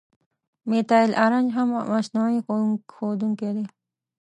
میتایل آرنج هم مصنوعي ښودونکی دی.